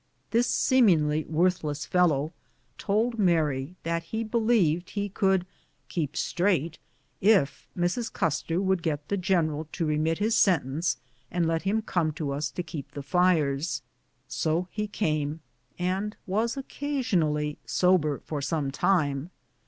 This seemingly worth less fellow told Mary that he believed he could " keep straight" if Mrs. Custer would get the general to remit his sentence and let him come to us to keep the fires. So he came, and was occasionally sober for some time.